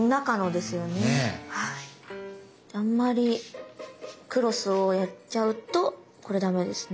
あんまりクロスをやっちゃうとこれダメですね。